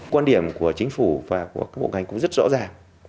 quan điểm của chính phủ và của các bộ ngành cũng rất rõ ràng